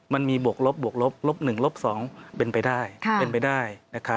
มันมีบวกลบลบ๑ลบ๒เป็นไปได้